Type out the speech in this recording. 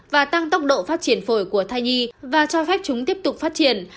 và tăng tốc độ phát triển phổi của thai nhi và cho phép chúng tiếp tục phát triển